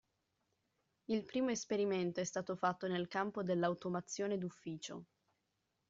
Il primo esperimento è stato fatto nel campo dell'automazione d'ufficio.